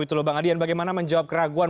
oke celahnya masih ada silahkan bang adian